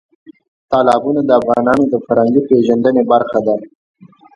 تالابونه د افغانانو د فرهنګي پیژندنې برخه ده.